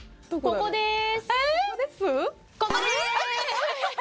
ここでーす！